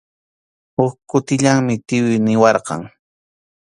Huk kutillanmi tiyuy niwarqan.